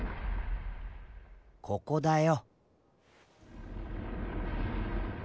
ここだよ。